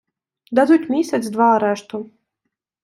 Дадуть місяць-два арешту.